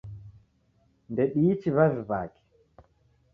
Ndediichi w'avi w'ake